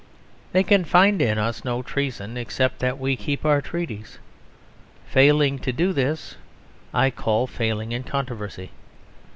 They can find in us no treason except that we keep our treaties: failing to do this I call failing in controversy.